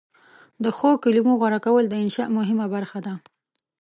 د ښو کلمو غوره کول د انشأ مهمه برخه ده.